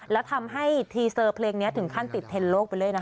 แล้วทำให้ทีเซอร์เพลงนี้ถึงขั้นติดเทนโลกไปเลยนะคะ